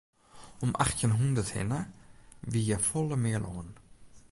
Om achttjin hûndert hinne wie hjir folle mear lân.